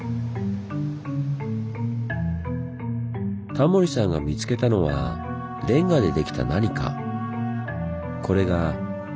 タモリさんが見つけたのはレンガでできた何か。